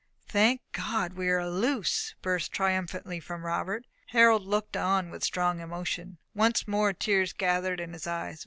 "Thank God we are loose!" burst triumphantly from Robert. Harold looked on with strong emotion. Once more tears gathered in his eyes.